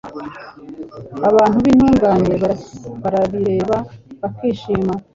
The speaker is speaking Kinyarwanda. Abantu b’intungane barabireba bakishima